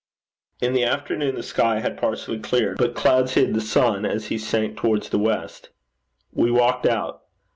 In the afternoon the sky had partially cleared, but clouds hid the sun as he sank towards the west. We walked out.